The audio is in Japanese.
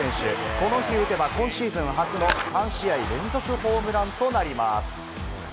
この日打てば今シーズン初の３試合連続ホームランとなります。